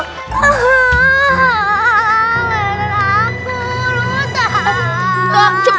haaa mainan aku rutan